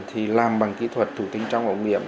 thì làm bằng kỹ thuật thủ tinh trong ống nghiệm